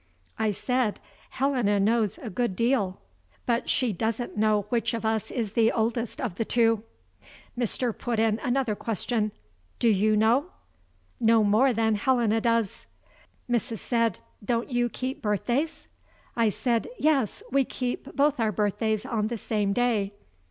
I said: "Helena knows a good deal; but she doesn't know which of us is the oldest of the two." Mr. put in another question: "Do you know?" "No more than Helena does." Mrs. said: "Don't you keep birthdays?" I said: "Yes; we keep both our birthdays on the same day."